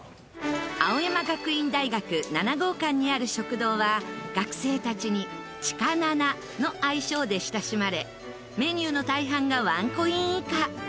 青山学院大学７号館にある食堂は学生たちに「チカナナ」の愛称で親しまれメニューの大半がワンコイン以下。